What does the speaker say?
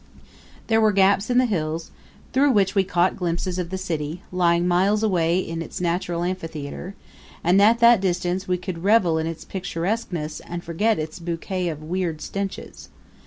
There were gaps in the hills, through which we caught glimpses of the city, lying miles away in its natural amphitheater; and at that distance we could revel in its picturesqueness and forget its bouquet of weird stenches.